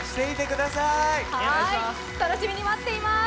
楽しみに待ってます。